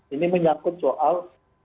ini menyangkut soal